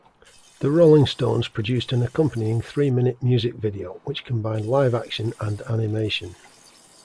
The Rolling Stones produced an accompanying three-minute music video, which combined live-action and animation.